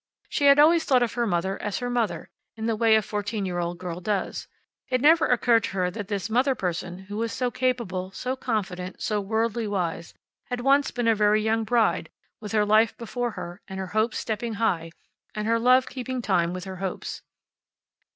She had always thought of her mother as her mother, in the way a fourteen year old girl does. It never occurred to her that this mother person, who was so capable, so confident, so worldly wise, had once been a very young bride, with her life before her, and her hopes stepping high, and her love keeping time with her hopes.